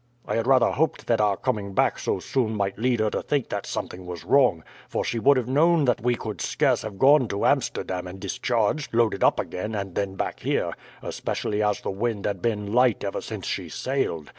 I had rather hoped that our coming back so soon might lead her to think that something was wrong, for she would have known that we could scarce have gone to Amsterdam and discharged, loaded up again, and then back here, especially as the wind had been light ever since she sailed.